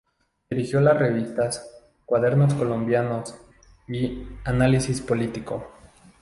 Dirigió las revistas "Cuadernos Colombianos" y "Análisis Político".